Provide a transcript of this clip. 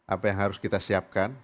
apa yang harus kita siapkan